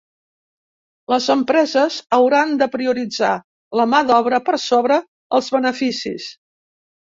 Les empreses hauran de prioritzar la mà d'obra per sobre els beneficis.